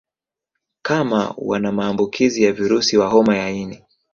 kama wana maambukizi ya virusi wa homa ya ini